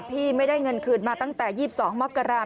พี่ไม่ได้เงินคืนมาตั้งแต่๒๒มกราศ